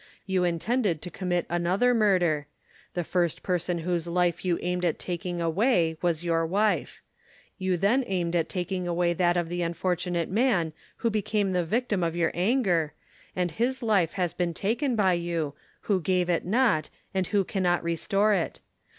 You intended to commit another murder; the first person whose life you aimed at taking away was your wife. You then aimed at taking away that of the unfortunate man who became the victim of your anger, and his life has been taken by you, who gave it not, and who cannot restore it.